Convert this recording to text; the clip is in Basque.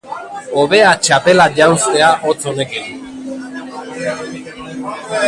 Hobea txapela janztea hotz honekin.